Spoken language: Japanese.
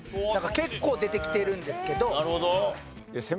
結構出てきてるんですけど。